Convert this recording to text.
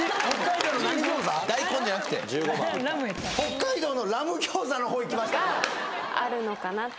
北海道のラム餃子の方いきましたか